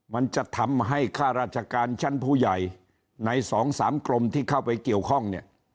มันจะทำให้ข้าราชการชั้นผู้ใหญ่ใน๒๓กรมที่เข้าไปเกี่ยวข้องเนี่ย